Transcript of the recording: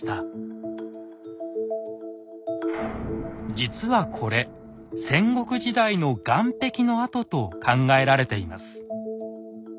実はこれ戦国時代の岸壁の跡と考えられています。